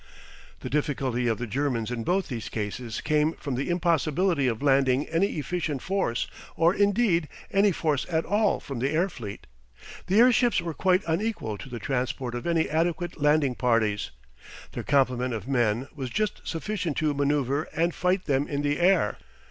The difficulty of the Germans in both these cases came from the impossibility of landing any efficient force or, indeed, any force at all from the air fleet. The airships were quite unequal to the transport of any adequate landing parties; their complement of men was just sufficient to manoeuvre and fight them in the air.